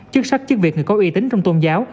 chức sắc chức việc người có uy tín trong tôn giáo